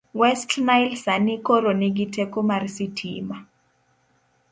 West Nile sani koro nigi teko mar sitima.